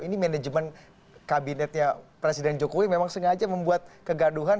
karena kabinetnya presiden jokowi memang sengaja membuat kegaduhan